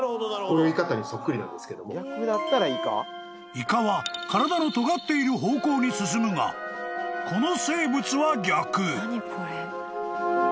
［イカは体のとがっている方向に進むがこの生物は逆］